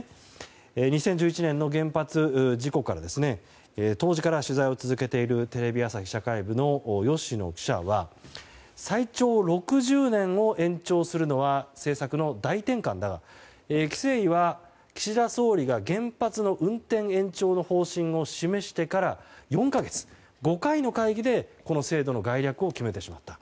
２０１１年の原発事故当時から取材を続けているテレビ朝日社会部の吉野記者は最長６０年を延長するのは政策の大転換だが規制委は、岸田総理が原発の運転延長の方針を示してから４か月、５回の会議でこの制度の概略を決めてしまった。